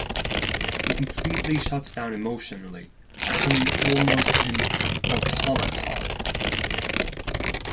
He completely shuts down emotionally, becoming almost an automaton.